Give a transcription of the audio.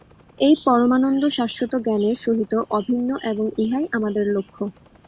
এই পরমানন্দ শাশ্বত জ্ঞানের সহিত অভিন্ন এবং ইহাই আমাদের লক্ষ্য।